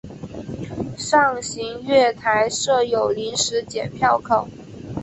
上行月台设有临时剪票口。